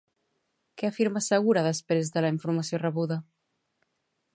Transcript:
Què afirma segura després de la informació rebuda?